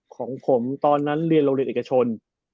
ของผมตอนนั้นเรียนโรงเรียนเอกชน